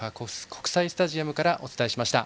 国際スタジアムからお伝えしました。